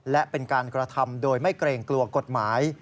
และเป็นการกระทำโดยไม่เกรงกลัวกฎหมาย